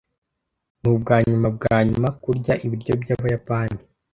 Nubwanyuma bwanyuma kurya ibiryo byabayapani?